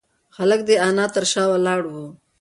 هلک د انا تر شا ولاړ و.